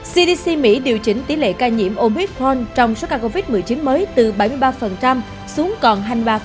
cdc mỹ điều chỉnh tỷ lệ ca nhiễm opid frone trong số ca covid một mươi chín mới từ bảy mươi ba xuống còn hai mươi ba